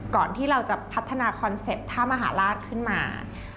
ก่อนที่เราจะพัฒนาคอนเซ็ปต์ท่ามหาราชขึ้นมา